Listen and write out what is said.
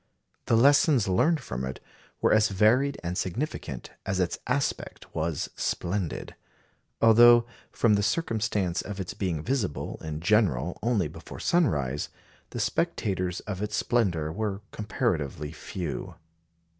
The lessons learned from it were as varied and significant as its aspect was splendid; although from the circumstance of its being visible in general only before sunrise, the spectators of its splendour were comparatively few.